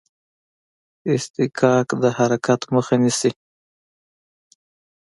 اصطکاک د حرکت مخه نیسي.